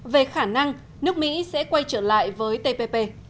về khả năng nước mỹ sẽ quay trở lại với tpp